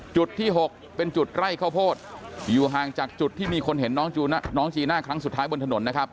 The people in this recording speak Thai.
จุดที่๖เป็นจุดไร่ข้าวโพดอยู่ห่างจากจุดที่มีคนเห็นน้องจีน่าครั้งสุดท้ายบนถนนนะครับ